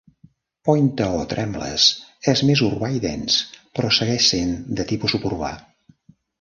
Pointe-aux-trembles és més urbà i dens, però segueix sent de tipus suburbà.